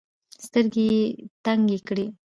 سترګي یې تنګي کړې .